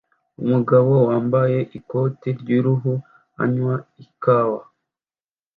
Umugabo wambaye ikoti ry'uruhu anywa ikawa